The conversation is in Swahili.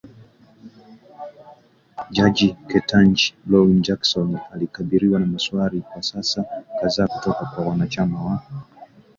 jaji Ketanji Brown Jackson alikabiliwa na maswali kwa saa kadhaa kutoka kwa wanachama wa